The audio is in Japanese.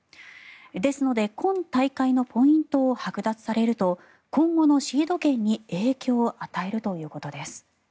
ですので、今大会のポイントをはく奪されると今後のシード権に影響を与えるということです。